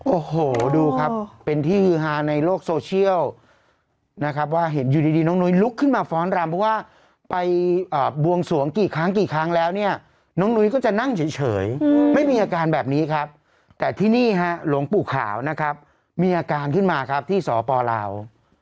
โอ้โหดูครับเป็นที่ฮือฮาในโลกโซเชียลนะครับว่าเห็นอยู่ดีน้องนุ้ยลุกขึ้นมาฟ้อนรำเพราะว่าไปบวงสวงกี่ครั้งกี่ครั้งแล้วเนี่ยน้องนุ้ยก็จะนั่งเฉยไม่มีอาการแบบนี้ครับแต่ที่นี่ฮะหลวงปู่ขาวนะครับมีอาการขึ้นมาครับที่สปลาว